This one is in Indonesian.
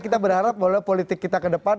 kita berharap bahwa politik kita ke depan